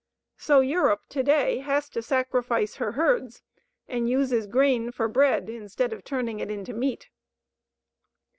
So Europe to day has to sacrifice her herds, and uses grain for bread instead of turning it into meat.